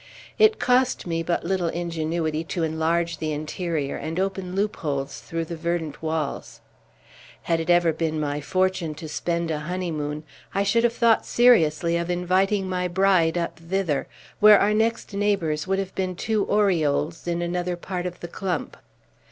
It cost me but little ingenuity to enlarge the interior, and open loopholes through the verdant walls. Had it ever been my fortune to spend a honeymoon, I should have thought seriously of inviting my bride up thither, where our next neighbors would have been two orioles in another part of the clump.